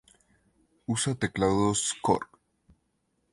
Usa teclados Korg.